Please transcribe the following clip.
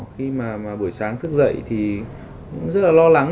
khi mà buổi sáng thức dậy thì cũng rất là lo lắng